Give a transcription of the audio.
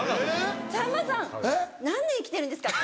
さんまさん何年生きてるんですか！